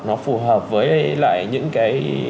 nó phù hợp với lại những cái